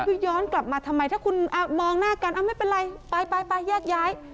คือย้อนกลับมาทำไมถ้าคุณมองหน้ากันไม่เป็นไรไปไปแยกย้าย